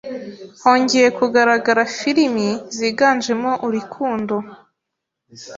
hongeye kugaragara filimi ziganjemo urikundo